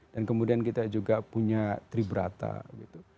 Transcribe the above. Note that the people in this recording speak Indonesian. dan kemudian kita juga punya tribrata gitu